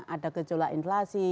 ada gejola inflasi